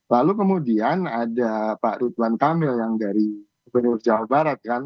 lalu kemudian ada pak ridwan kamil yang dari benur jawa barat kan